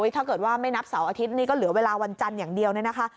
ถ้าเกิดว่าไม่นับเสาร์อาทิตย์นี้ก็เหลือเวลาวันจันทร์อย่างเดียวเนี่ยนะคะ